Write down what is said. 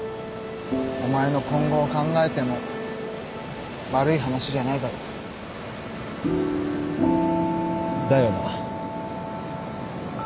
お前の今後を考えても悪い話じゃないだろ？だよな。